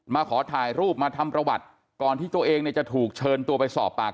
ขอถ่ายรูปมาทำประวัติก่อนที่ตัวเองเนี่ยจะถูกเชิญตัวไปสอบปาก